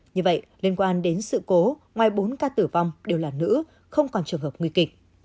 như vậy liên quan đến sự cố ngoài bốn ca tử vong đều là nữ không còn trường hợp nguy kịch